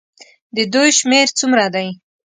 د دوی شمېر څومره دی.